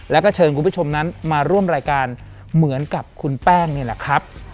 แล้วก็เชิญคุณผู้ชมนั้นมาร่วมรายการเหมือนกับคุณแป้งนี่แหละครับ